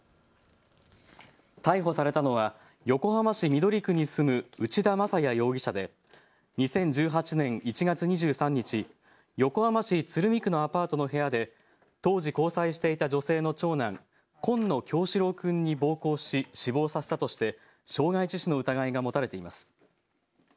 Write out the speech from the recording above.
逮捕されたのは横浜市緑区に住む内田正也容疑者で２０１８年１月２３日、横浜市鶴見区のアパートの部屋で当時交際していた女性の長男、紺野叶志郎君に暴行し、死亡させたとして傷害致死の疑いが持たれています。